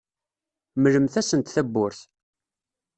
Mlemt-asent tawwurt.